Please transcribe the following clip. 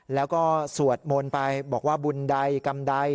แล้วก็สวดมนต์ไปบอกว่าบุญใดกรรมใด